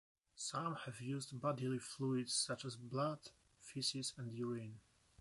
Some have used bodily fluids such as blood, faeces and urine.